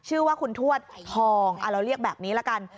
ชื่อว่าคุณทวดทองเราเรียกแบบนี้ละกัน